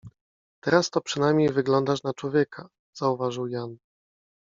— Teraz to przynajmniej wyglądasz na człowieka — zauważył Jan.